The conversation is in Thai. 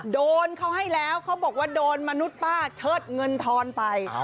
โดนเขาให้แล้วเขาบอกว่าโดนมนุษย์ป้าเชิดเงินทอนไป